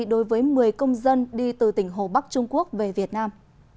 đối với một mươi công dân đi từ tỉnh hồ bắc trung quốc về việt nam